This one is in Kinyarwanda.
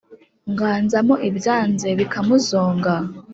Nganzamo ibyanze bikamuzonga